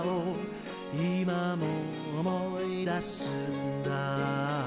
「今も思い出すんだ」